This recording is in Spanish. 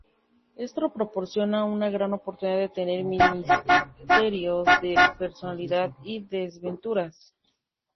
Esto proporciona una gran oportunidad de tener misterios de personalidad, y desventuras.